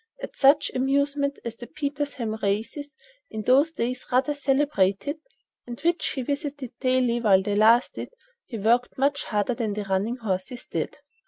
At such amusements as the Petersham races, in those days rather celebrated, and which he visited daily while they lasted, he worked much harder than the running horses did."